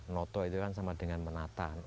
noto itu kan sama dengan menata